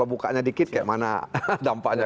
bukanya dikit kayak mana dampaknya